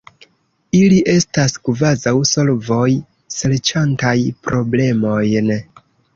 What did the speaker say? Ili estas kvazaŭ solvoj serĉantaj problemojn.